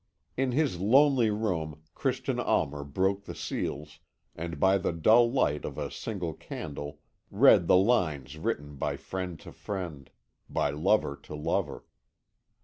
In his lonely room Christian Almer broke the seals, and by the dull light of a single candle read the lines written by friend to friend, by lover to lover.